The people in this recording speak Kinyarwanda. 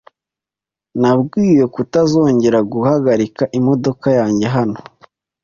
Nabwiwe kutazongera guhagarika imodoka yanjye hano .